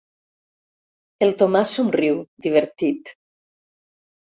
El Tomàs somriu, divertit.